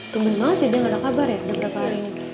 temen banget ya dia gak ada kabar ya beberapa hari ini